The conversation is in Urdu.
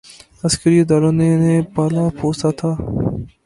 عسکری اداروں نے انہیں پالا پوسا تھا۔